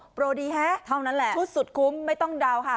โปรดีแฮะเท่านั้นแหละชุดสุดคุ้มไม่ต้องเดาค่ะ